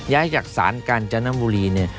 ย้ายจากศาลกาญจนบุรีเนี่ย